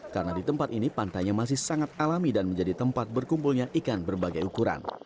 karena di tempat ini pantainya masih sangat alami dan menjadi tempat berkumpulnya ikan berbagai ukuran